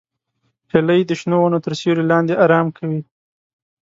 هیلۍ د شنو ونو تر سیوري لاندې آرام کوي